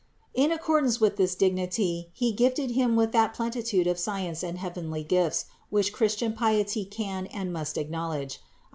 In accordance with this dignity, He gifted him with that plenitude of science and heavenly gifts which Christian piety can and must acknowledge.